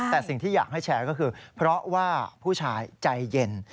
แต่สิ่งที่อยากให้แชร์ก็คือเพราะว่าผู้ชายใจเย็น